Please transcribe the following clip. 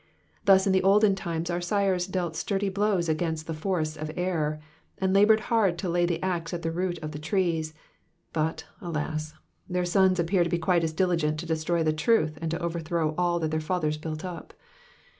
Thus in the olden times our sires dealt sturdy blows against the forests ot error, and laboured hard to lay the axe at the root of the trees ; but, alas I their sons appear to be quite as diligent to destroy the tiuth and to overthrow all that their fathers built up.